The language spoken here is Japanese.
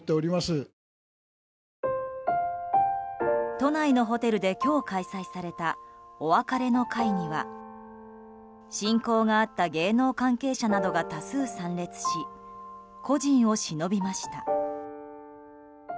都内のホテルで今日開催されたお別れの会には親交があった芸能関係者などが多数参列し故人をしのびました。